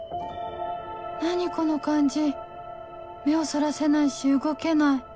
何この感じ目をそらせないし動けない